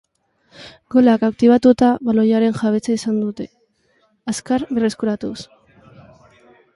Golak aktibatuta, baloiaren jabetza izan dute, azkar berreskuratuz.